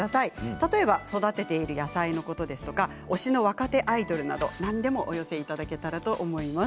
例えば育てている野菜のことや推しの若手アイドルなど何でもお寄せいただけたらと思います。